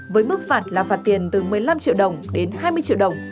với mức phạt là phạt tiền từ một mươi năm triệu đồng đến hai mươi triệu đồng